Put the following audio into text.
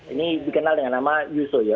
ini dikenal dengan nama yuso ya